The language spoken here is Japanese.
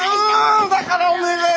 んだからお願い！